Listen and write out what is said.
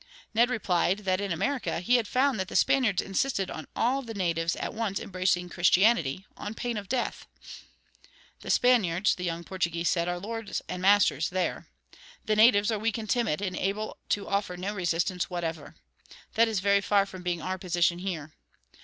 Ned replied that, in America, he had found that the Spaniards insisted on all the natives at once embracing Christianity, on pain of death. "The Spaniards," the young Portuguese said, "are lords and masters there. The natives are weak and timid, and able to offer no resistance, whatever. That is very far from being our position here.